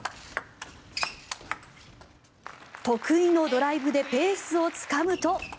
得意のドライブでペースをつかむと。